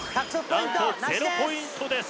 なんと０ポイントです